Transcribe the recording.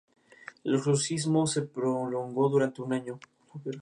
El exorcismo se prolongó durante un año.